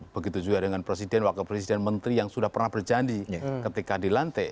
begitu juga dengan presiden wakil presiden menteri yang sudah pernah berjanji ketika dilantik